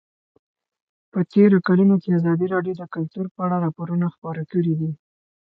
په تېرو کلونو کې ازادي راډیو د کلتور په اړه راپورونه خپاره کړي دي.